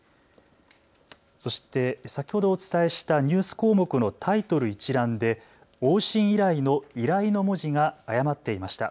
そして先ほどお伝えしたニュース項目のタイトル一覧で往診依頼の依頼の文字が誤っていました。